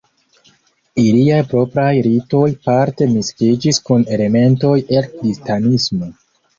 Iliaj propraj ritoj parte miksiĝis kun elementoj el kristanismo.